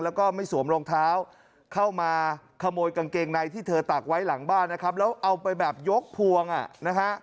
แล้วก็ไม่สวมรองเท้าเข้ามาขโมยกางเกงในที่เธอตักไว้หลังบ้านนะครับแล้วเอาไปแบบยกพวงอ่ะนะฮะ